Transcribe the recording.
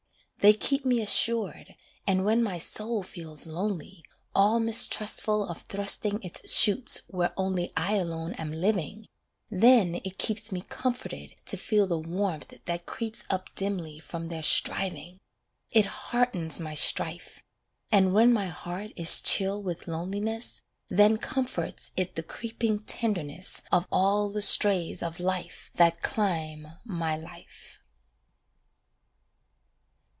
They keep me assured, and when my soul feels lonely, All mistrustful of thrusting its shoots where only I alone am living, then it keeps Me comforted to feel the warmth that creeps Up dimly from their striving; it heartens my strife: And when my heart is chill with loneliness, Then comforts it the creeping tenderness Of all the strays of life that climb my life.